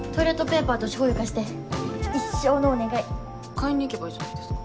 買いに行けばいいじゃないですか。